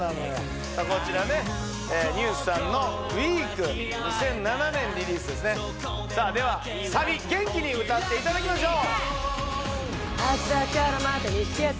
こちらねＮＥＷＳさんの「ｗｅｅｅｅｋ」２００７年リリースですねさあではサビ元気に歌っていただきましょう！